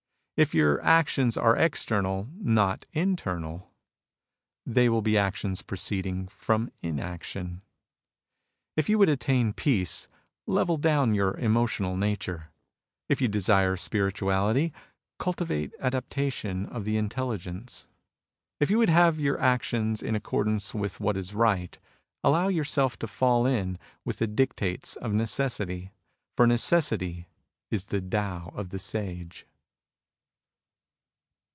If your actions are external, not intematl, they will be UNCONSCIOUS SERVITUDE 105 actions proceeding from inaction. If you would attain peace, level down your emotional nature. If you desire spirituality, cultivate adaptation of the intelligence. If you would have yoiur actions in accordance with what is right, allow yourself to fall in with the dictates of necessity. Eor necessity is the Tao of the Sage.